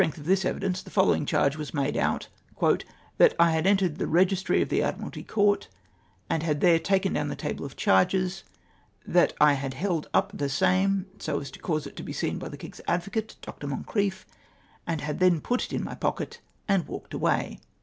On the strengtli of this evidence, the following charge was made out :— "That I had entered the Bey /sir ij of the Admiralty Coiu"t, and had there taken down the tal3le of charges ; that I had held up the same, so as to cause it to be seen by the King's Advocate, Dr. Mon criefF, and had then put it in my pocket, and walked away."